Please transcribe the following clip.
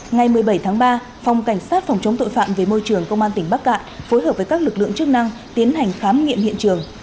ngày một mươi bảy tháng ba phòng cảnh sát phòng chống tội phạm về môi trường công an tỉnh bắc cạn phối hợp với các lực lượng chức năng tiến hành khám nghiệm hiện trường